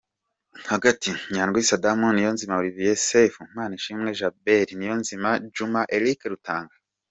Hagati: Nyandwi Sadamu, Niyonzima Oliviye Sefu, Manishimwe jabeli, Nizeyimana juma, Erike Rutanga .